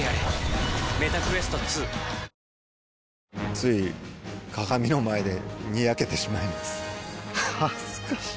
つい鏡の前でニヤけてしまいます恥ずかしい・・・